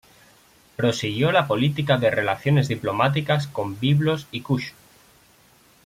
Prosiguió la política de relaciones diplomáticas con Biblos y Kush.